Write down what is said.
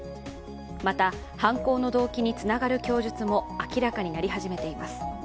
また、犯行の動機につながる供述も明らかになり始めています。